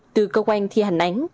từ cơ quan thi hành án